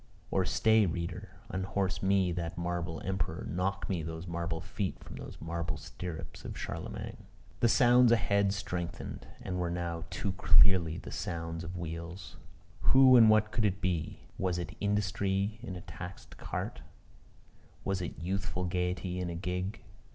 Or stay, reader, unhorse me that marble emperor; knock me those marble feet from those marble stirrups of Charlemagne. The sounds ahead strengthened, and were now too clearly the sounds of wheels. Who and what could it be? Was it industry in a taxed cart? Was it youthful gaiety in a gig?